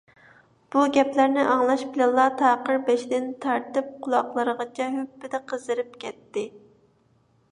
بۇ گەپلەرنى ئاڭلاش بىلەنلا تاقىر بېشىدىن تارتىپ قۇلاقلىرىغىچە ھۈپپىدە قىزىرىپ كەتتى.